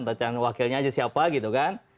bacaan wakilnya aja siapa gitu kan